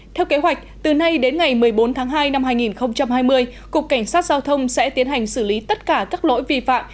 theo kế hoạch từ nay đến ngày một mươi bốn tháng hai năm hai nghìn hai mươi cục cảnh sát giao thông sẽ tiến hành xử lý tất cả các lỗi vi phạm